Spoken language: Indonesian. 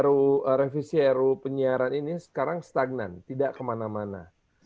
proses dari revisi ruu penyiaran ini sekarang stagnan tidak kemana mana